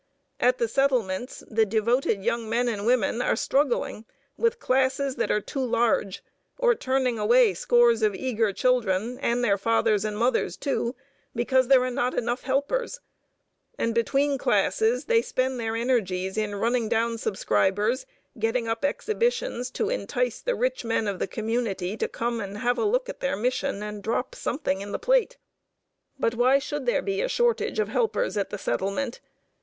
At the settlements, devoted young men and women are struggling with classes that are too large, or turning away scores of eager children, and their fathers and mothers, too, because there are not enough helpers; and between classes they spend their energies in running down subscribers, getting up exhibitions to entice the rich men of the community to come and have a look at their mission and drop something in the plate. But why should there be a shortage of helpers at the settlement?